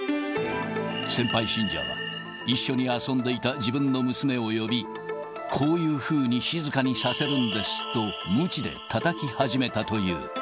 先輩信者は、一緒に遊んでいた自分の娘を呼び、こういうふうに静かにさせるんですとむちでたたき始めたという。